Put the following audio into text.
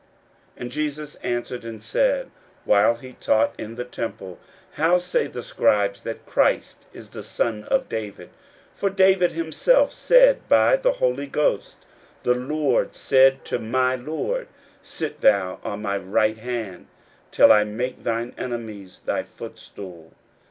41:012:035 And Jesus answered and said, while he taught in the temple, How say the scribes that Christ is the son of David? 41:012:036 For David himself said by the Holy Ghost, The LORD said to my Lord, Sit thou on my right hand, till I make thine enemies thy footstool.